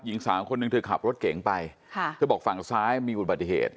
หญิงสาวคนหนึ่งเธอขับรถเก๋งไปค่ะเธอบอกฝั่งซ้ายมีอุบัติเหตุ